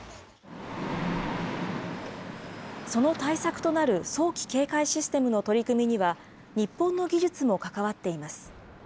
その対策となる早期警戒システムの取り組みには、日本の技術も関わっています。